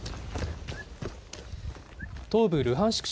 東部ルハンシク